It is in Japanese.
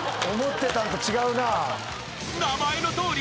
［名前のとおり］